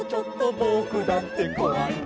「ぼくだってこわいな」